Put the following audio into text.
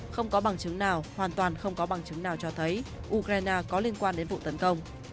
không có bằng chứng nào hoàn toàn không có bằng chứng nào cho thấy ukraine có liên quan đến vụ tấn công